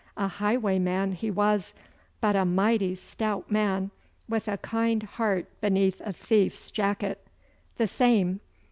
A highwayman he was, but a mighty stout man with a kind heart beneath a thief's jacket.' 'The same.